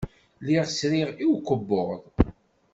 Lliɣ sriɣ i ukebbuḍ.